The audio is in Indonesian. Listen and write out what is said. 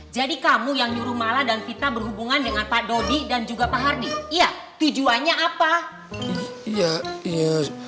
jadi kamu yang nyuruh mala dan vita berhubungan dengan pak dodi dan juga pak hardy